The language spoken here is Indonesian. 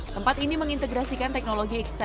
tempat ini mengintegrasikan teknologi ekstra